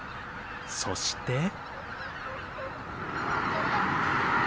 そして。